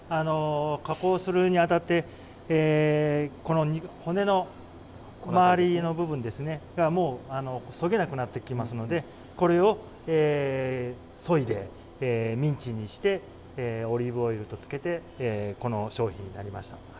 加工するにあたって、この骨の周りの部分ですね、もうそげなくなってきますので、これをそいで、ミンチにしてオリーブオイルと漬けて、この商品になりました。